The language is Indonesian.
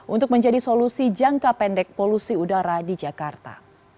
untuk menjadi solusi jangka pendek polusi udara di jakarta